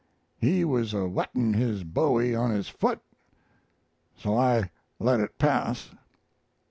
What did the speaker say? He was a whetting his bowie on his boot so I let it pass.